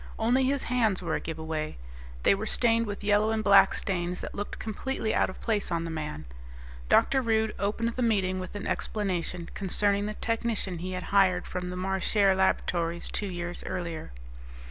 Only his hands were a giveaway; they were stained with yellow and black stains that looked completely out of place on the man. Dr. Rude opened the meeting with an explanation concerning the technician he had hired from the Marchare Laboratories two years earlier.